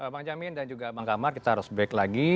bang jamin dan juga bang kamar kita harus break lagi